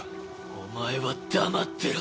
お前は黙ってろ！